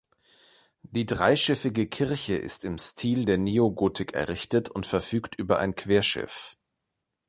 Die dreischiffige Kirche ist im Stil der Neogotik errichtet und verfügt über ein Querschiff.